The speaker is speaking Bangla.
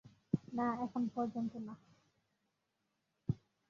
না, এখন পর্যন্ত না।